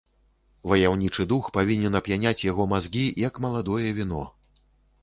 Ваяўнічы дух павінен ап'яняць яго мазгі, як маладое віно.